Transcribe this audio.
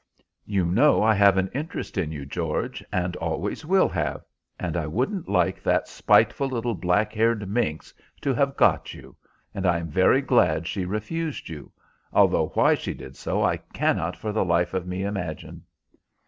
You know I have an interest in you, George, and always will have, and I wouldn't like that spiteful little black haired minx to have got you, and I am very glad she refused you, although why she did so I cannot for the life of me imagine."